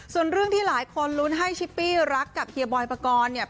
ส่วนเรื่องที่หลายคนลุ้นให้ชิปปี้รักกับเฮียบอยปกรณ์เนี่ย